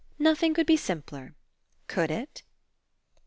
Nothing could be simpler. Could it?"